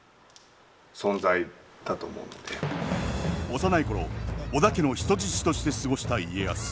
幼い頃織田家の人質として過ごした家康。